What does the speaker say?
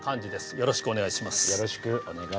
よろしくお願いします。